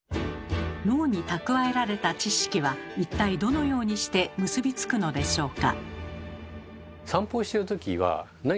脳に蓄えられた知識は一体どのようにして結びつくのでしょうか？